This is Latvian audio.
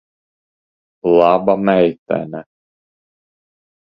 Laba meitene.